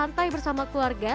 santai bersama keluarga